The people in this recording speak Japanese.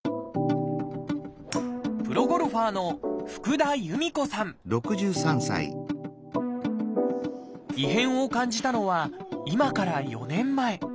プロゴルファーの異変を感じたのは今から４年前。